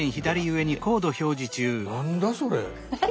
何だそれ。